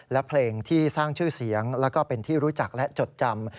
และเพลงที่สร้างชื่อเสียงแล้วก็เป็นที่รู้จักและจดจำ